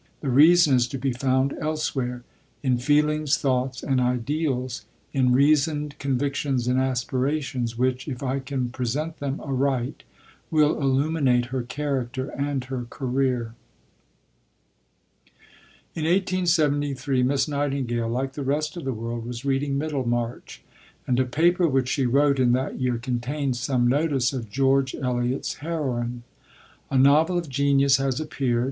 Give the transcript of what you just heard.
The reason is to be found elsewhere in feelings, thoughts, and ideals, in reasoned convictions and aspirations, which, if I can present them aright, will illuminate her character and her career. A Century of Family Letters, vol. ii. pp. 106, 107. In 1873 Miss Nightingale, like the rest of the world, was reading Middlemarch, and a paper which she wrote in that year contained some notice of George Eliot's heroine. "A novel of genius has appeared.